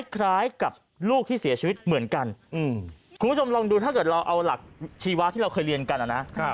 คล้ายกับลูกที่เสียชีวิตเหมือนกันคุณผู้ชมลองดูถ้าเกิดเราเอาหลักชีวะที่เราเคยเรียนกันนะ